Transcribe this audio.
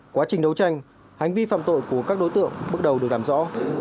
quá trình đấu tranh hành vi phạm tội của các đối tượng bắt đầu được làm rõ